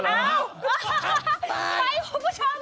ไปครับคุณผู้ชม